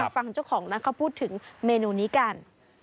ฟังเจ้าของพูดถึงเมนูนี้กัน